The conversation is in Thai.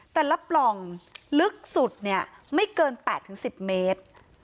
แต่ละปล่องลึกสุดเนี่ยไม่เกิน๘๑๐เมตร